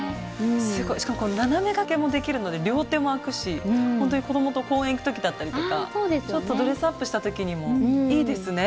すごいしかもこれ斜めがけもできるので両手も空くしほんとに子供と公園行く時だったりとかちょっとドレスアップした時にもいいですね。